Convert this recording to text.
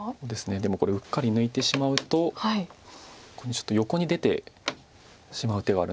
でもこれうっかり抜いてしまうとここにちょっと横に出てしまう手があるんです。